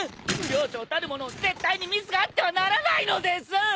寮長たるもの絶対にミスがあってはならないのです。